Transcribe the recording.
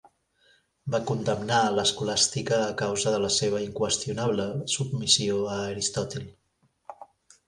Va condemnar l'escolàstica a causa de la seva inqüestionable submissió a Aristòtil.